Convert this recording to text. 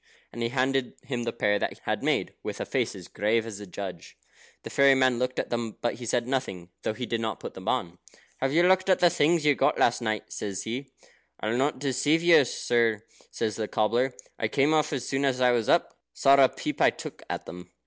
And he handed him the pair that he had made, with a face as grave as a judge. The fairy man looked at them, but he said nothing, though he did not put them on. "Have you looked at the things you got last night?" says he. "I'll not deceive you, sir," says the cobbler. "I came off as soon as I was up. Sorra peep I took at them."